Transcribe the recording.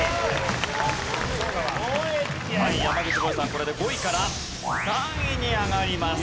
これで５位から３位に上がります。